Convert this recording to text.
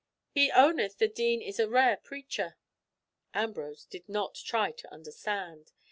"He owneth the dean as a rare preacher." Ambrose did not try to understand.